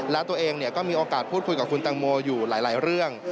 และตัวเองก็มีโอกาสพูดคุยกับคุณตังโมอยู่หลายเรื่อง